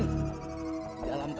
ini kita main apa